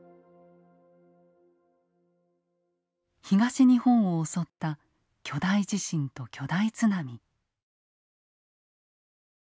東日本を襲った巨大地震と巨大津波。